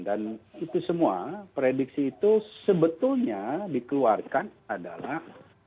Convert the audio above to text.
dan itu semua prediksi itu sebetulnya dikeluarkan adalah